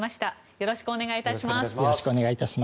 よろしくお願いします。